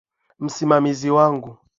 Msimamizi wangu.